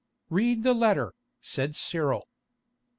"Read the letter," said Cyril.